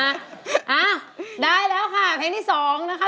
อ่ะได้แล้วค่ะเพลงที่สองนะคะ